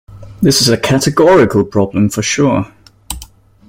This is a categorical problem for sure.